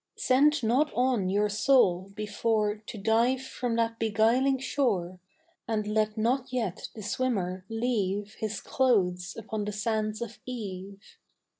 Send not on your soul before To dive from that beguiling shore, And let not yet the swimmer leave His clothes upon the sands of eve.